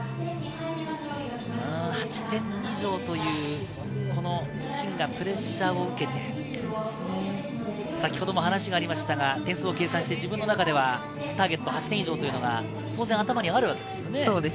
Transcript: ８点以上というシンがプレッシャーを受けて、先程も話しがありましたが、点数を計算して自分の中ではターゲットは８点以上というのは当然頭にあるわけですもんね。